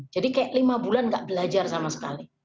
jadi kayak lima bulan nggak belajar sama sekali